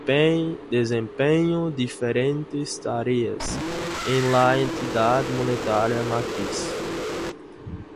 Desempeñó diferentes tareas en la entidad monetaria matriz.